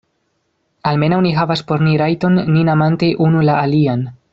Almenaŭ ni havas por ni rajton, nin amante unu la alian.